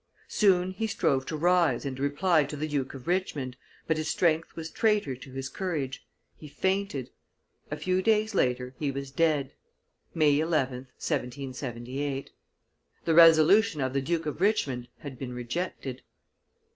Soon he strove to rise and reply to the Duke of Richmond, but his strength was traitor to his courage, he fainted; a few days later he was dead (May 11th, 1778); the resolution' of the Duke of Richmond had been rejected.